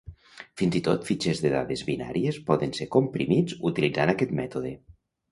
Fins i tot fitxers de dades binàries poden ser comprimits utilitzant aquest mètode.